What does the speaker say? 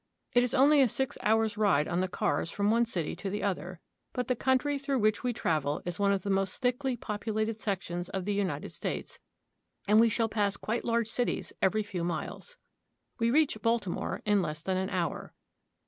It is only a six hours' ride on the cars from one city to the other, but the country through which we travel is one of the most thickly populated sections of the United States, and we shall pass quite large cities every few miles. We reach Baltimore in less than an hour.